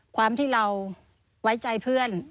ความที่เราไว้ใจเพื่อน